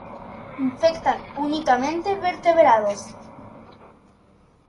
Infectan únicamente vertebrados.